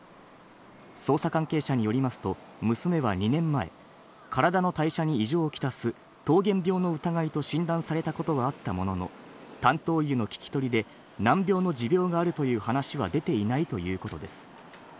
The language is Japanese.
捜査関係者によりますと、娘は２年前、体の代謝に異常をきたす糖原病の疑いと診断されたことがあったものの、担当医への聞き取りで、難病の持病があるという話は出ていないということです。